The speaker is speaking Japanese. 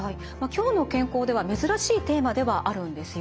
「きょうの健康」では珍しいテーマではあるんですよね。